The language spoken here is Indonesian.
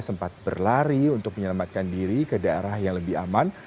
sempat berlari untuk menyelamatkan diri ke daerah yang lebih aman